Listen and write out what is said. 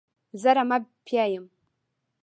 زه رمه پیايم.